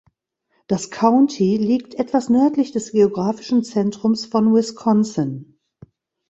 Das County liegt etwas nördlich des geografischen Zentrums von Wisconsin.